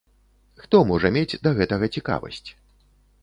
Хто можа мець да гэтага цікавасць?